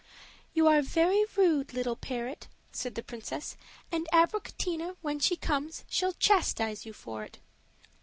"You are very rude, little parrot," said the princess; "and Abricotina, when she comes, shall chastise you for it."